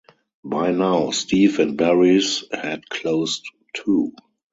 By now, Steve and Barry's had closed too.